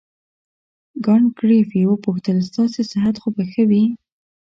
کانت ګریفي وپوښتل ستاسې صحت خو به ښه وي.